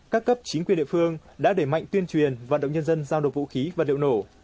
các cấp chính quyền địa phương đã để mạnh tuyên truyền vận động nhân dân giao nộp vũ khí và liệu nổ